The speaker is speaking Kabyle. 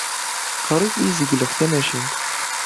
Qrib ay zgileɣ tamacint.